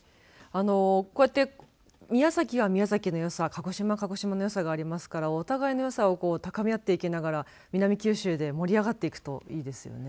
こうやって宮崎は宮崎のよさ鹿児島は鹿児島のよさがありますからお互いのよさを高め合っていきながら南九州で盛り上がっていくといいですよね。